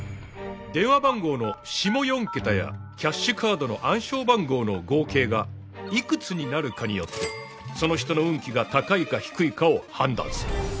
電話番号の下４桁やキャッシュカードの暗証番号の合計がいくつになるかによってその人の運気が高いか低いかを判断する。